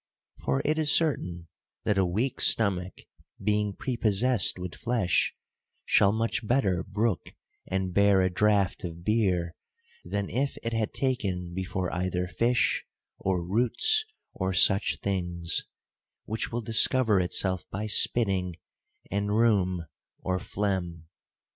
For it is certain that a weak stomach being prepossessed with flesh, shall much better brook and bear a draught of beer, than if it had taken before either fish, or roots, or such things ; which will discover itself by spitting, and rheum, or phlegm.